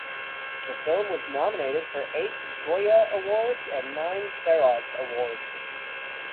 The film was nominated for eight Goya Awards and nine Feroz Awards.